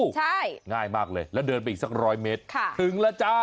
ใช่ง่ายมากเลยแล้วเดินไปอีกสักร้อยเมตรถึงแล้วจ้า